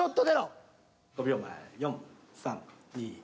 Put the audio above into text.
５秒前４３２。